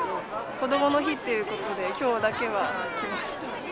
こどもの日ということで今日だけは来ました。